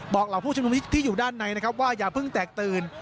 เหล่าผู้ชมนุมที่อยู่ด้านในนะครับว่าอย่าเพิ่งแตกตื่น